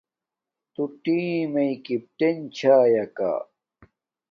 تݸ ٹݵم کݵپٹݵن چھݳئَکݳ؟